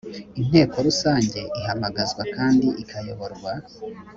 inteko rusange ihamagazwa kandi ikayoborwa